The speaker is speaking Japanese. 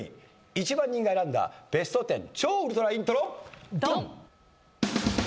１万人が選んだベスト１０超ウルトライントロドン！